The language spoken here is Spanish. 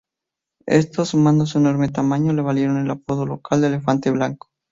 Esto, sumado a su enorme tamaño le valieron el apodo local de "elefante blanco".